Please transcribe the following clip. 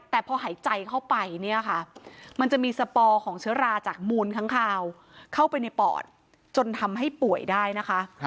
แต่พอหายใจเข้าไปเนี่ยค่ะมันจะมีสปอร์ของเชื้อราจากมูลค้างคาวเข้าไปในปอดจนทำให้ป่วยได้นะคะ